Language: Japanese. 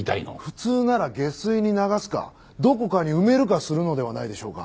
普通なら下水に流すかどこかに埋めるかするのではないでしょうか？